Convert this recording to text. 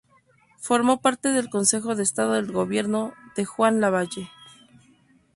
Formó parte del Consejo de Estado del gobierno de Juan Lavalle.